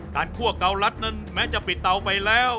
คั่วเกาลัดนั้นแม้จะปิดเตาไปแล้ว